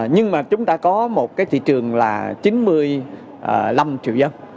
nhưng mà chúng ta có một cái thị trường là chín mươi năm triệu dân